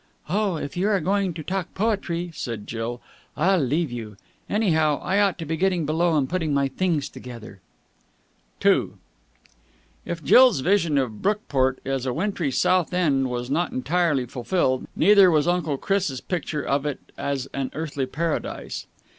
"Oh, if you are going to talk poetry," said Jill, "I'll leave you. Anyhow, I ought to be getting below and putting my things together." II If Jill's vision of Brookport as a wintry Southend was not entirely fulfilled, neither was Uncle Chris' picture of it as an earthly paradise.